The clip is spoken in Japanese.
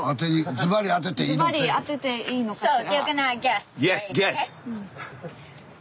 ズバリ当てていいのかしら？